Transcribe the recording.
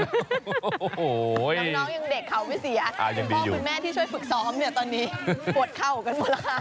โอ้โหน้องยังเด็กเขาไม่เสียพ่อคุณแม่ที่ช่วยฝึกซ้อมเนี่ยตอนนี้ปวดเข่ากันหมดแล้วค่ะ